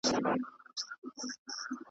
په ټپوس کي د باز خویونه نه وي .